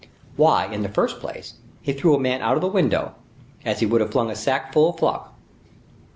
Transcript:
"Why, in the first place, he threw a man out of the window, as he would have flung a sack full of flock."